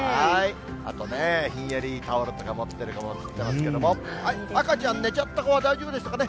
あとね、ひんやりタオルとか持ってる子も映ってますけれども、赤ちゃん、寝ちゃった子は大丈夫でしたかね。